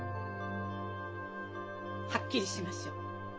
はっきりしましょう。